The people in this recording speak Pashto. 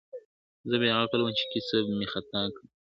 زه بې عقل وم چی کسب می خطا کړ `